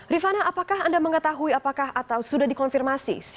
rifana apakah anda mengetahui apakah atau sudah dikonfirmasi